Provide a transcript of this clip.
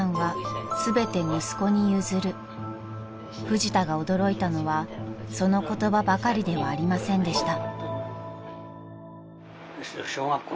［フジタが驚いたのはその言葉ばかりではありませんでした］